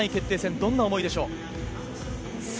どんな思いでしょう。